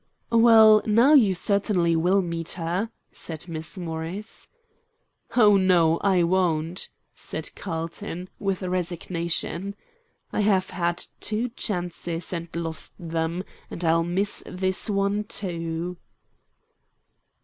"Well, now you certainly will meet her," said Miss Morris. "Oh no, I won't," said Carlton, with resignation. "I have had two chances and lost them, and I'll miss this one too."